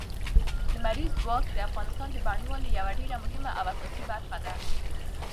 لمریز ځواک د افغانستان د بڼوالۍ یوه ډېره مهمه او اساسي برخه ده.